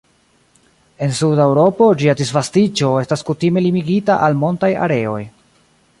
En suda Eŭropo, ĝia disvastiĝo estas kutime limigita al montaj areoj.